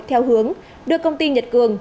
theo hướng đưa công ty nhật cường